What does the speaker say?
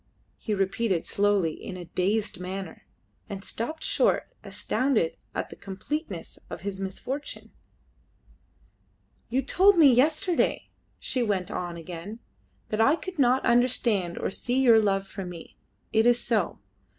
he repeated slowly, in a dazed manner, and stopped short, astounded at the completeness of his misfortune. "You told me yesterday," she went on again, "that I could not understand or see your love for me: it is so.